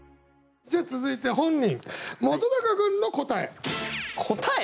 じゃあ続いて本人答え！？